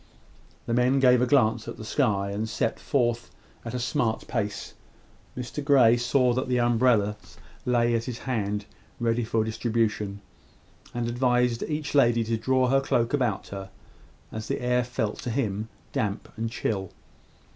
The men gave a glance at the sky, and set forth at a smart pace. Mr Grey saw that the umbrellas lay at his hand, ready for distribution, and advised each lady to draw her cloak about her, as the air felt to him damp and chill.